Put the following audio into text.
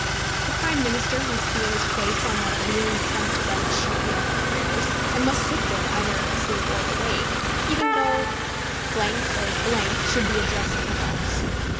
The Prime Minister must be in his place on that weary front bench shortly after prayers, and must sit there, either asleep or awake, even though or should be addressing the House.